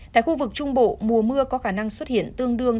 tại khu vực trung bộ mùa mưa có khả năng xuất hiện tương đương